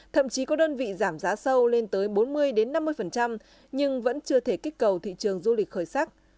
thậm chí có đơn vị giảm giá sâu lên tới bốn mươi năm mươi nhưng vẫn chưa thể kích cầu thị trường du lịch khởi sắc